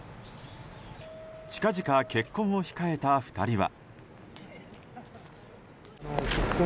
近々結婚を控えた２人は。